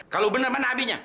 kalau bener mana abinya